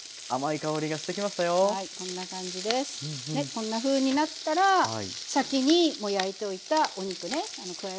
こんなふうになったら先にもう焼いといたお肉ね加えます。